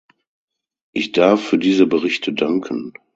Ich darf für diese Berichte danken.